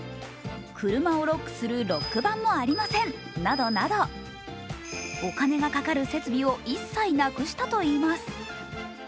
車をロックするロック板もありません、などなどお金がかかる設備を一切なくしたといいます。